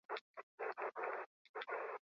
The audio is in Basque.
Bi eserleku besterik ez.